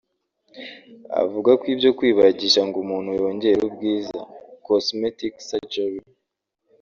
Avuga ko ibyo kwibagisha ngo umuntu yongere ubwiza (cosmetic surgery)